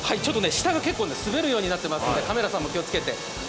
下が結構滑るようになっていますのでカメラさんも気を付けて。